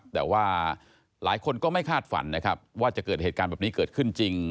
แต่ว่าหลายคนก็ไม่คาดฝันนะครับว่าจะเกิดเหตุการณ์แบบนี้เกิดขึ้นจริง